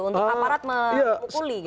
untuk aparat memukul gitu